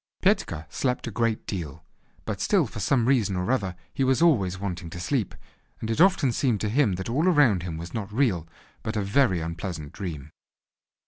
Petka slept a great deal, but still for some reason or other he was always wanting to sleep, and it often seemed to him that all around him was not real, but a very unpleasant dream.